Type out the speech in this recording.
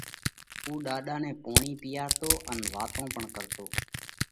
اُو ڏاڏا نئہ پوڻِي پِيئارتو ان واتون پڻ ڪرتو۔